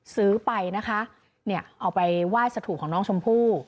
ซื้อไปนะคะเอาไปว่ายสถุของน้องชมพู่